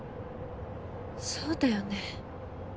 そうだよね。